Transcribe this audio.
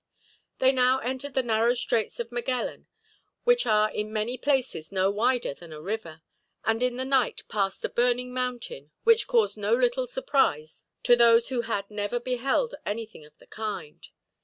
They now entered the narrow Straits of Magellan, which are in many places no wider than a river; and in the night passed a burning mountain, which caused no little surprise to those who had never beheld anything of the kind.